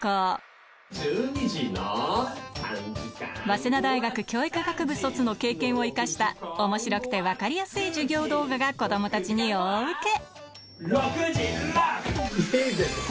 早稲田大学教育学部卒の経験を生かした面白くて分かりやすい授業動画が子供たちに大ウケ